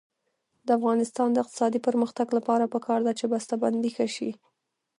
د افغانستان د اقتصادي پرمختګ لپاره پکار ده چې بسته بندي ښه شي.